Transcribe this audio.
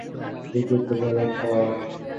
ঠিকই তো বলেছে।